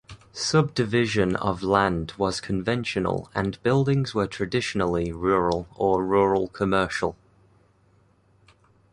Subdivision of land was conventional and buildings were traditionally rural or rural commercial.